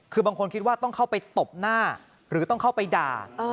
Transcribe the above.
คือบางคนคิดว่าต้องเข้าไปตบหน้าหรือต้องเข้าไปด่า